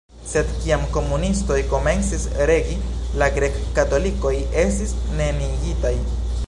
Sed kiam komunistoj komencis regi, la grek-katolikoj estis neniigitaj.